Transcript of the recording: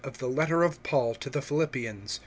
THE LETTER OF PAUL TO THE COLOSSIANS.